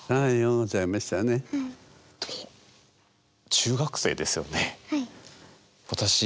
中学生ですよね？